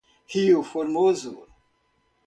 Rio Formoso